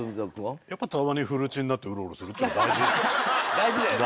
大事だよね。